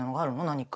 何か。